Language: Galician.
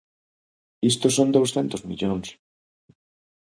Isto son douscentos millóns.